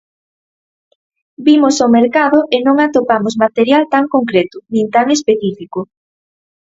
Vimos o mercado e non atopamos material tan concreto, nin tan específico.